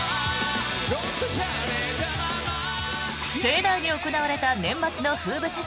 盛大に行われた年末の風物詩